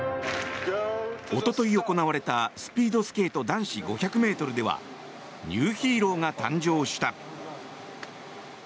おととい行われたスピードスケート男子５００ｍではニューヒーローが誕生した。